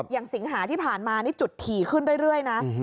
สิงหาที่ผ่านมานี่จุดถี่ขึ้นเรื่อยนะ